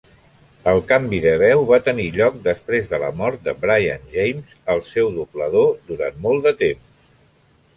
El canvi de veu va tenir lloc després de la mort de Brian James, el seu doblador durant molt de temps.